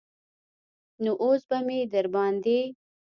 نو اوس به مې درباندې.